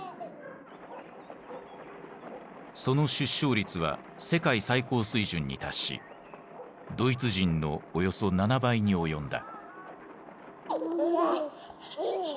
その出生率は世界最高水準に達しドイツ人のおよそ７倍に及んだ。